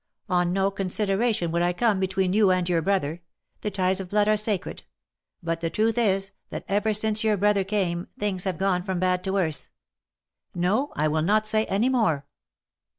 On no consideration would I come between you and your brother. The ties of blood are sacred. But the truth is, that ever since your brother came, things have gone from bad to worse. No ; I will not say any more."